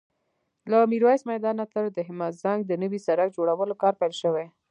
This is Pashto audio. له ميرويس میدان نه تر دهمزنګ د نوي سړک جوړولو کار پیل شوی